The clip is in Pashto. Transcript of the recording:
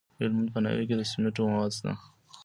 د هلمند په ناوې کې د سمنټو مواد شته.